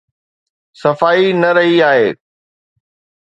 صفائي نه رهي آهي.